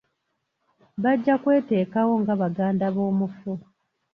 Bajja kweteekawo nga baganda b'omufu.